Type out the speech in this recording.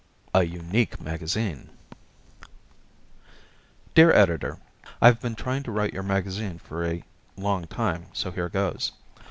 "A Unique Magazine" Dear Editor: I've been trying to write your magazine for a long time, so here goes.